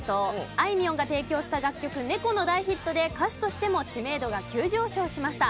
あいみょんが提供した楽曲『猫』の大ヒットで歌手としても知名度が急上昇しました。